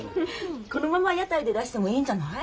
このまま屋台で出してもいいんじゃない？